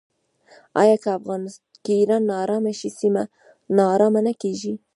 آیا که ایران ناارامه شي سیمه ناارامه نه کیږي؟